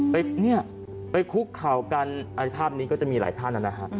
ไปคุกเข่ากันภาพนี้ก็จะมีหลายท่านแล้วนะฮะ